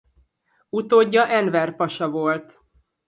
Utódja Enver pasa volt.